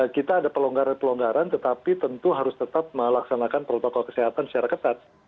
kita ada pelonggaran pelonggaran tetapi tentu harus tetap melaksanakan protokol kesehatan secara ketat